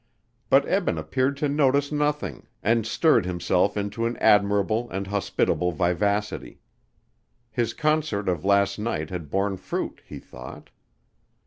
But Eben appeared to notice nothing and stirred himself into an admirable and hospitable vivacity. His concert of last night had borne fruit, he thought.